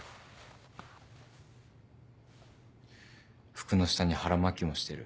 服の下に腹巻きもしてる。